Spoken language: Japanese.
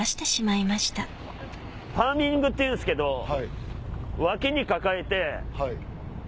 パーミングっていうんすけど脇に抱えて。